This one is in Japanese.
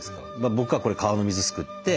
僕はこれ川の水すくって。